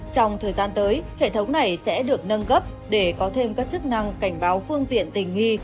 trong thời gian tới hệ thống này sẽ được nâng cấp để có thêm các chức năng cảnh báo phương tiện tình nghi